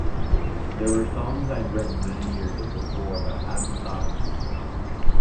They were songs I’d written many years before but hadn’t thought to submit.